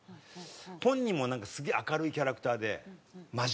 本人もなんかすげえ明るいキャラクターで真面目で。